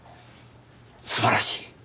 素晴らしい！